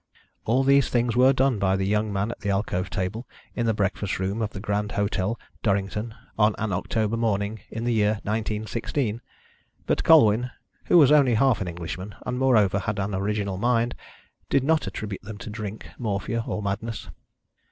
All these things were done by the young man at the alcove table in the breakfast room of the Grand Hotel, Durrington, on an October morning in the year 1916; but Colwyn, who was only half an Englishman, and, moreover, had an original mind, did not attribute them to drink, morphia, or madness.